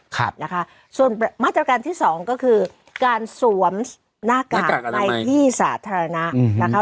ครับนะคะส่วนมาตรการที่สองก็คือการสวมหน้ากากในที่สาธารณะนะคะ